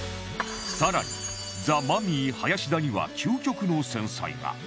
更にザ・マミィ林田には究極の繊細が